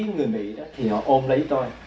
người mỹ thì họ ôm lấy tôi